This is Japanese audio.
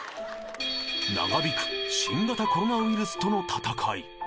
長引く新型コロナウイルスとの戦い。